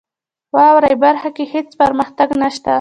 واورئ برخه کې هیڅ پرمختګ نشته .